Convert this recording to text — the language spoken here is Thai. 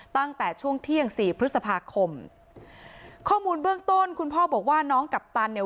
ตั้งแต่ช่วงเที่ยงสี่พฤษภาคมข้อมูลเบื้องต้นคุณพ่อบอกว่าน้องกัปตันเนี่ย